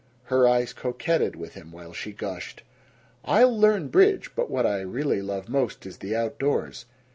Her eyes coquetted with him while she gushed: "I'll learn bridge. But what I really love most is the outdoors.